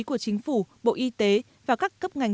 của chính phủ bộ y tế và các cấp ngành